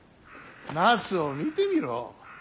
ナスを見てみろ。